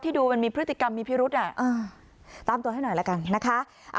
ดูมันมีพฤติกรรมมีพิรุษตามตัวให้หน่อยละกันนะคะ